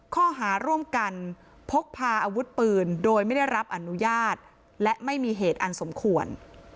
ข้อหาร่วมกันพกพาอาวุธปืนโดยไม่ได้รับอนุญาตและไม่มีเหตุอันสมควร